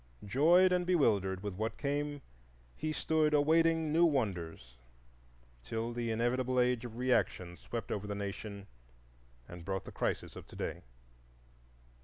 Joyed and bewildered with what came, he stood awaiting new wonders till the inevitable Age of Reaction swept over the nation and brought the crisis of to day.